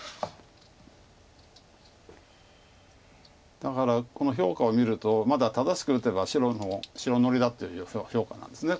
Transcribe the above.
だからこの評価を見るとまだ正しく打てば白乗りだっていう評価なんです。